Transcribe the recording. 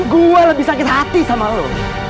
gue lebih sakit hati sama lo